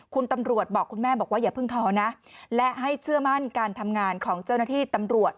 คุณตำรวจบอกคุณแม่บอกว่าอย่าเพิ่งท้อนะและให้เชื่อมั่นการทำงานของเจ้าหน้าที่ตำรวจ